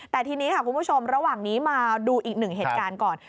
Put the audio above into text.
แต่ทีนี้ค่ะคุณผู้ชมระหว่างนี้มาดูอีกหนึ่งเหตุการณ์ก่อน